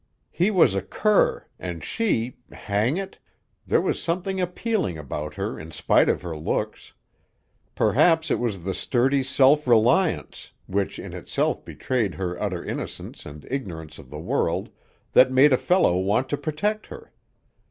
He was a cur, and she hang it! There was something appealing about her in spite of her looks. Perhaps it was the sturdy self reliance, which in itself betrayed her utter innocence and ignorance of the world, that made a fellow want to protect her.